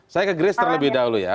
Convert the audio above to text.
saya ke grace terlebih dahulu ya